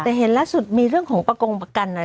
แต่เห็นล่าสุดมีเรื่องของประกงประกันอะไร